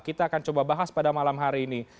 kita akan coba bahas pada malam hari ini